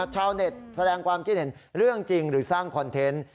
ชาวเน็ตแสดงความคิดเห็นเรื่องจริงหรือสร้างคอนเทนต์